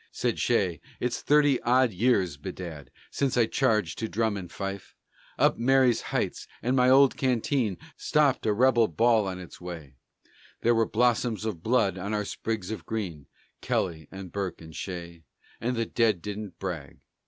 Said Shea, "It's thirty odd years, bedad, Since I charged to drum and fife Up Marye's Heights, and my old canteen Stopped a rebel ball on its way; There were blossoms of blood on our sprigs of green Kelly and Burke and Shea And the dead didn't brag."